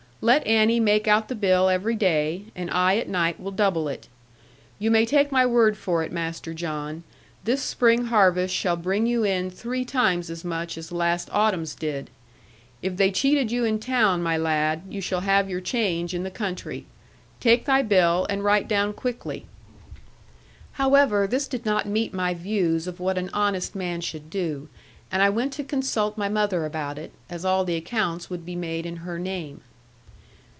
Let Annie make out the bill every day, and I at night will double it. You may take my word for it, Master John, this spring harvest shall bring you in three times as much as last autumn's did. If they cheated you in town, my lad, you shall have your change in the country. Take thy bill, and write down quickly.' However this did not meet my views of what an honest man should do; and I went to consult my mother about it, as all the accounts would be made in her name.